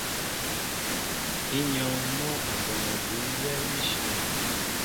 Ínyɔ́ɔ́ŋ mɔ́ a bonɛ bʉmbyɛ́ íshyə̂.